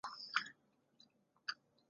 欲了解更多信息请见洛桑高商网站。